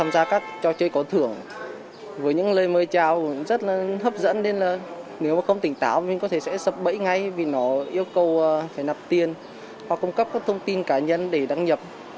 ra các trò chơi có thưởng với những lời mời trao rất là hấp dẫn nên là nếu mà không tỉnh táo thì có thể sẽ sập bẫy ngay vì nó yêu cầu phải nập tiền hoặc cung cấp các thông tin cá nhân để đăng nhập